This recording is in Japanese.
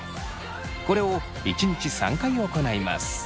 これを１日３回行います。